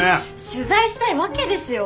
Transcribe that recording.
取材したいわけですよ。